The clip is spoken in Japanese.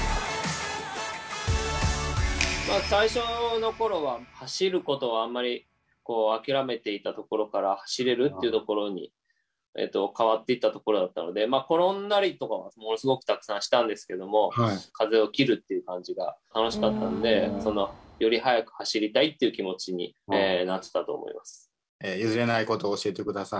まあ最初の頃は走ることをあんまり諦めていたところから走れるっていうところに変わっていったところだったのでまあ転んだりとかもものすごくたくさんしたんですけども風を切るっていう感じが楽しかったんでより速く走りたいっていう気持ちになってたと思います。